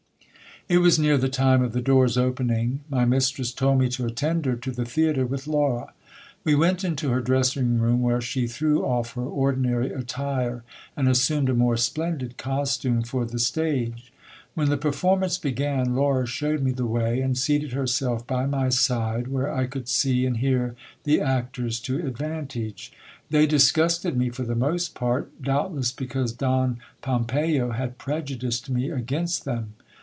It was near the time of the doors opening. My mistress told me to attend her to the theatre with Laura. We went into her dressing room, where she threw off her ordinary attire, and assumed a more splendid costume for the stage. When the performance began, Laura shewed me the way, and seated herself by my side where I could see and hear the actors to advantage. They disgusted me for the most part, doubtless because Don Pompeyo had prejudiced me against them.